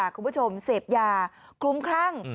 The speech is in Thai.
คุณผู้ชมเสพยาคลุ้มคลั่ง